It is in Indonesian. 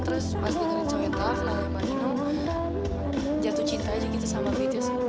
terus pas gue dengerin so in love lalai lalai jatuh cinta aja gitu sama video